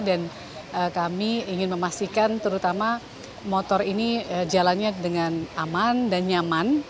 kami ingin memastikan terutama motor ini jalannya dengan aman dan nyaman